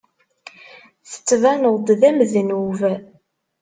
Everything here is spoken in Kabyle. Tettbaneḍ-d d amednub.